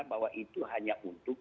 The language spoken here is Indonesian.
bahwa itu hanya untuk